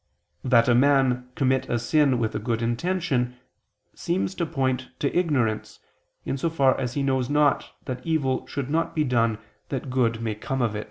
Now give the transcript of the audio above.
That a man commit a sin with a good intention, seems to point to ignorance, in so far as he knows not that evil should not be done that good may come of it.